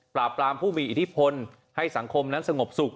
ปราบปรามผู้มีอิทธิพลให้สังคมนั้นสงบสุข